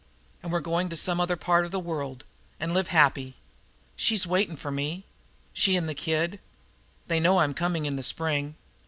An' we're going to some other part of the world, an' live happy. She's waitin' for me, she an' the kid, an' they know I'm coming in the spring.